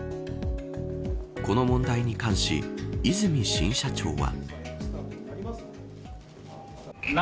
この問題に関し和泉新社長は。